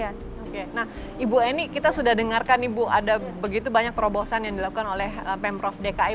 oke nah ibu ani kita sudah dengarkan ibu ada begitu banyak terobosan yang dilakukan oleh pemprov dki